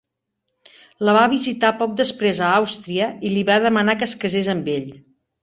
La va visitar poc després a Àustria i li va demanar que es casés amb ell.